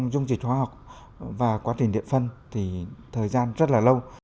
dung dịch hóa học và quá trình điện phân thì thời gian rất là lâu